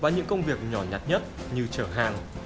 những công việc nhỏ nhặt nhất như trở hàng